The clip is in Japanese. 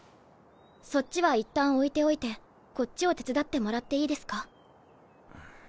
そっちはいったん置いておいてこっちを手伝ってもらっていいですか？